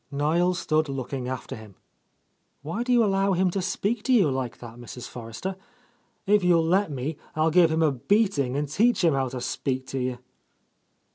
Niel stood looking after him. "Why do you allow him to speak to you like that, Mrs. For rester? If you'll let me. I'll give him a beating and teach him how to spfeak to you."